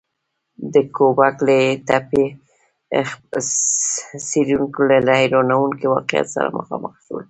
د ګوبک لي تپې څېړونکي له حیرانوونکي واقعیت سره مخامخ شول.